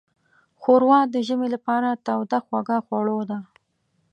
ښوروا د ژمي لپاره توده خوږه خوړو ده.